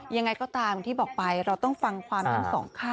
ยังไงก็ตามที่บอกไปเราต้องฟังความทั้งสองข้าง